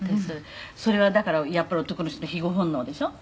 「それはだからやっぱり男の人の庇護本能でしょ？」